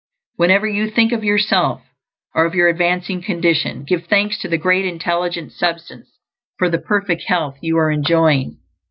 Whenever you think of yourself, or of your advancing condition, give thanks to the Great Intelligent Substance for the perfect health you are enjoying.